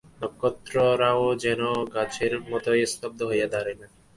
নক্ষত্ররায়ও যেন গাছের মতোই স্তব্ধ হইয়া দাঁড়াইলেন।